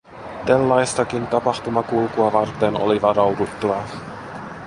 Tällaistakin tapahtumakulkua varten oli varauduttava.